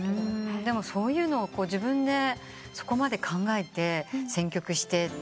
でもそういうのを自分でそこまで考えて選曲して。